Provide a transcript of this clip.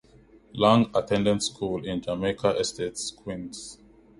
Lang attended school in Jamaica Estates, Queens.